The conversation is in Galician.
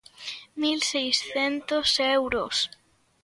¡Mil seiscentos euros!